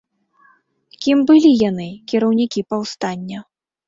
Кім былі яны, кіраўнікі паўстання?